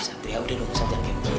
satria udah dong sat jangan kayak begini